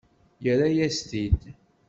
Yerra-yas-t-id.